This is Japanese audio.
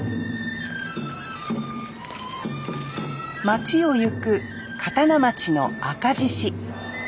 町を行く刀町の赤獅子。